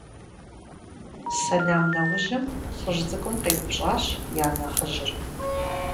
Сэлам нэужьым лӀыжь цӀыкӀум къеупщӀащ я нэхъыжьыр.